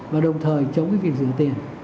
và đồng thời chống việc rửa tiền